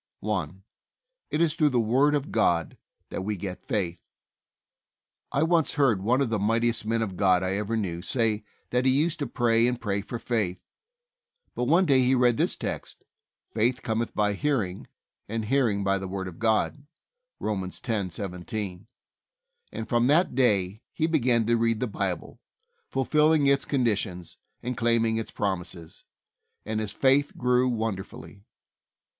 I. It is through the Word of God that we get faith. I once heard one of the mightiest men of God I ever knew say that he used to pray and pray for faith, but one day he read this text: "Faith cometh by hearing, and hearing by the Word of God" (Rom. 10: 17), and from that day he began to read the Bible, fulfilling its condi tions and claiming its promises, and his faith 168 THE soul winner's secret. grew wonderfully.